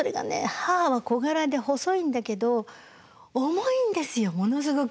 母は小柄で細いんだけど重いんですよものすごく。